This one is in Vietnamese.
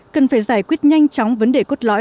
cần phải giải quyết nhanh chóng vấn đề cốt lõi